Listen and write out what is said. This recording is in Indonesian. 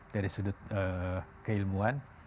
dari sudut keilmuan